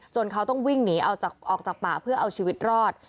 เขาต้องวิ่งหนีออกจากป่าเพื่อเอาชีวิตรอด